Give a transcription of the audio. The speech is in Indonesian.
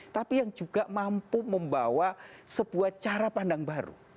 tapi yang juga mampu membawa sebuah cara pandang baru